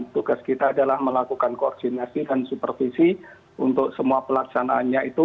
tugas kita adalah melakukan koordinasi dan supervisi untuk semua pelaksanaannya itu